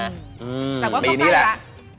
แต่ว่าก็ใกล้แล้ว